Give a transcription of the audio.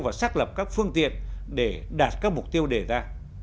và xác lập các phương tiện để đạt các mục tiêu đề ra